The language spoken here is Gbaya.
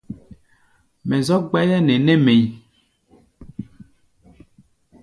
Mɛ zɔ́k gbáyá nɛ nɛ́ mɛ̧ʼí̧.